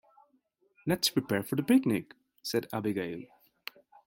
"Let's prepare for the picnic!", said Abigail.